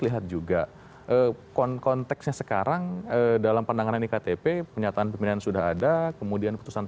lihat juga konteksnya sekarang dalam pandangan nktp penyataan pimpinan sudah ada kemudian keputusan